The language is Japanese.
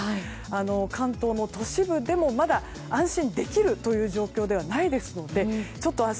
関東の都市部でもまだ安心できるという状況ではないですので明日